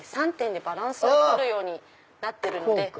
３点でバランスを取るようになってるので。